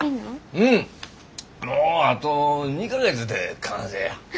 うんもうあと２か月で完成や。